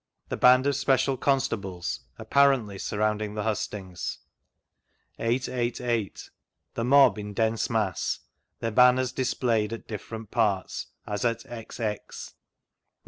The band of special constables, apparently , surrounding the hustings. 8.8.8. The mob in dense mass; their banners displayed in different parts, as at x, x, 9.9.